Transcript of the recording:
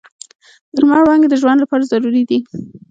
د لمر وړانګې د ژوند لپاره ضروري دي.